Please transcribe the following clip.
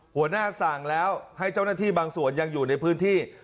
หัวหน้าสั่งแล้วให้เจ้าหน้าที่บางส่วนยังอยู่ในพื้นที่